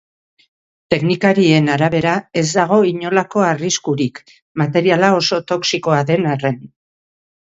Teknikarien arabera ez dago inolako arriskurik, materiala oso toxikoa den arren.